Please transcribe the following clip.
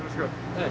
はい。